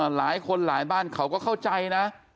หลายคนหลายบ้านเขาก็เข้าใจนะ